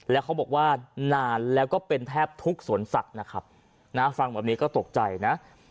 แล้วเขาบอกว่านานแล้วก็เป็นแทบทุกสวนสัตว์นะครับนะฟังแบบนี้ก็ตกใจนะ